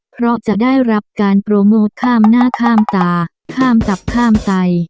เพราะจะได้รับการโปรโมทข้ามหน้าข้ามตาข้ามตับข้ามไต